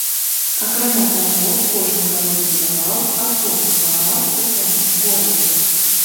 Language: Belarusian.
Акрамя таго, кожны кароль будаваў асобны палац у самім горадзе.